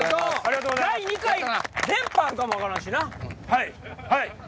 はい。